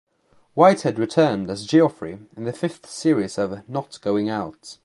Whitehead returned as Geoffrey in the fifth series of "Not Going Out".